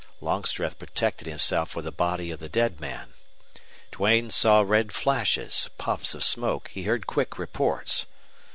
Longstreth protected himself with the body of the dead man. Duane saw red flashes, puffs of smoke; he heard quick reports.